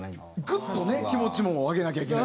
グッとね気持ちも上げなきゃいけない。